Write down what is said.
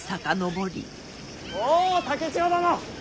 おう竹千代殿！